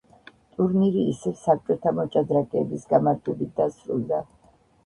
ტურნირი ისევ საბჭოთა მოჭადრაკეების გამარჯვებით დასრულდა.